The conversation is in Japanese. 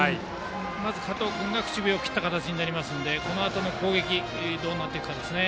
まず加藤君が口火を切りましたのでこのあとの攻撃がどうなっていくかですね。